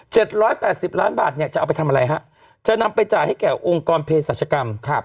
ร้อยแปดสิบล้านบาทเนี่ยจะเอาไปทำอะไรฮะจะนำไปจ่ายให้แก่องค์กรเพศรัชกรรมครับ